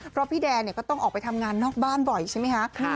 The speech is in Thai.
เพราะพี่แดนก็ต้องออกไปทำงานนอกบ้านบ่อยใช่ไหมคะ